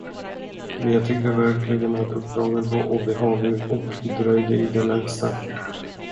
Men jag tyckte verkligen att uppdraget var obehagligt och dröjde i det längsta.